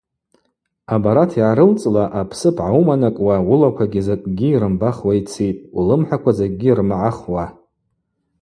Абарат йгӏарылцӏла, апсып гӏауыманакӏуа Уылаквагьи закӏгьи рымбахуа йцитӏ, Улымхӏаква закӏгьи рмагӏахуа.